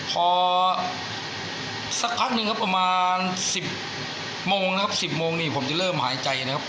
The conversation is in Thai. พอสักพักหนึ่งครับประมาณ๑๐โมงนะครับ๑๐โมงนี่ผมจะเริ่มหายใจนะครับ